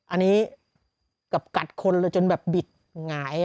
อันนี้กัดคนเลยจนแบบบิดไหง่